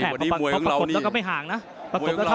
วันนี้มวยของเรานี่ปรากฏแล้วก็ไม่ห่างนะปรากฏแล้วเท่ากันเลยนะ